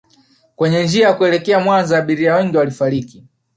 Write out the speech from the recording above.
kwenye njia ya kuelekea Mwanza Abiria wengi walifariki